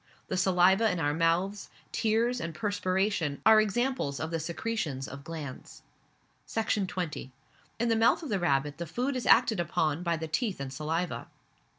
The saliva in our mouths, tears, and perspiration, are examples of the secretions of glands. Section 20. In the month of the rabbit the food is acted upon by the teeth and saliva.